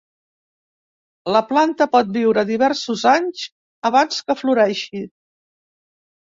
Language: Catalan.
La planta pot viure diversos anys abans que floreixi.